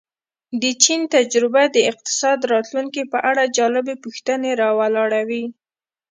د چین تجربه د اقتصاد راتلونکې په اړه جالبې پوښتنې را ولاړوي.